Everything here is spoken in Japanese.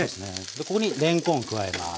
でここにれんこんを加えます。